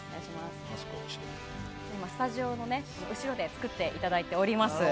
スタジオの後ろで作っていただいております。